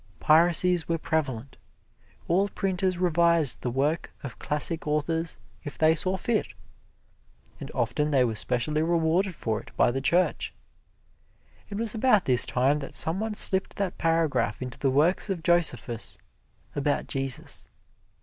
Piracies were prevalent. All printers revised the work of classic authors if they saw fit, and often they were specially rewarded for it by the Church. It was about this time that some one slipped that paragraph into the works of Josephus about Jesus.